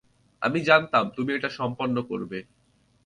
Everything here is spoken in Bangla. আমি জানতাম তুমি এটা সম্পন্ন করবে।